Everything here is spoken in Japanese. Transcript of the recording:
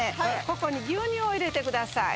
ここに牛乳を入れてください